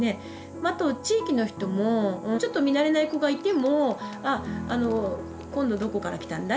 あと地域の人もちょっと見慣れない子がいても「ああ今度どこから来たんだい？」